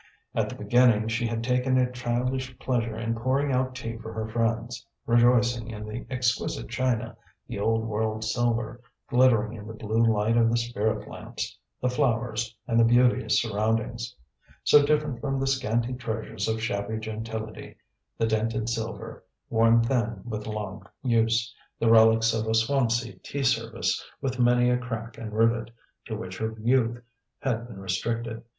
At the beginning she had taken a childish pleasure in pouring out tea for her friends, rejoicing in the exquisite china, the old world silver, glittering in the blue light of the spirit lamps, the flowers, and beauteous surroundings; so different from the scanty treasures of shabby gentility the dinted silver, worn thin with long use, the relics of a Swansea tea service with many a crack and rivet to which her youth had been restricted.